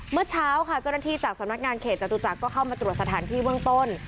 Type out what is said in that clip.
เมื่อเช้าค่ะเจ้าหน้าที่จากสำนักงานเขตจตุจักรก็เข้ามาตรวจสถานที่เบื้องต้น